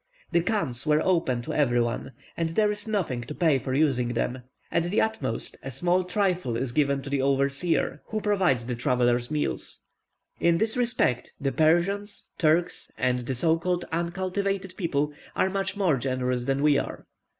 The chans were open to every one, and there is nothing to pay for using them; at the utmost, a small trifle is given to the overseer, who provides the travellers' meals. In this respect, the Persians, Turks, and the so called uncultivated people, are much more generous than we are.